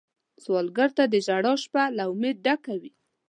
سوالګر ته د ژړا شپه له امید ډکه وي